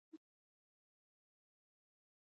مرهټیانو تر پخوا ډېر پرمختګ وکړ.